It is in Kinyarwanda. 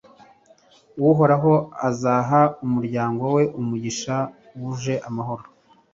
Uhoraho azaha umuryango we umugisha wuje amahoro